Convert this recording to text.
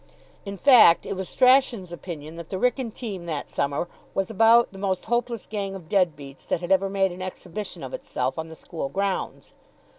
In fact, it was Strachan's opinion that the Wrykyn team that summer was about the most hopeless gang of dead beats that had ever made an exhibition of itself on the school grounds.